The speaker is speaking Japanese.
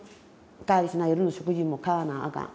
帰りしな夜の食事も買わなあかん。